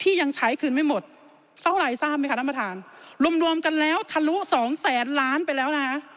ที่ยังใช้คืนไม่หมดเศร้าลัยทราบไหมครับน้ำบทานรวมกันแล้วทรั่ว๒แสนล้านเป็นแล้ว